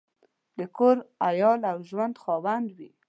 د کور، عیال او ژوند خاوند وي.